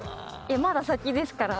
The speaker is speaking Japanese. まだ先ですから。